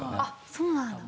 そうなんだ。